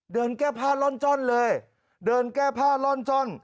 เดินแก้ผ้าล่อนจ้อนเลยเดินแก้ผ้าล่อนจ้อน